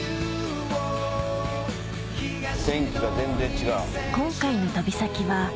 天気が全然違う。